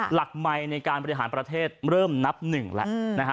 หลักใหม่ในการบริหารประเทศเริ่มนับหนึ่งแล้วนะฮะ